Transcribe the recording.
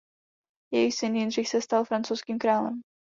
Jejich syn Jindřich se stal francouzským králem.